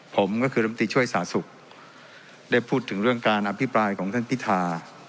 ผมก็คือลำตีช่วยสาธารณสุขได้พูดถึงเรื่องการอภิปรายของท่านพิธา